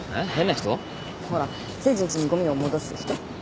ほら誠治んちにごみを戻す人。